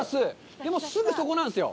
でも、すぐそこなんですよ。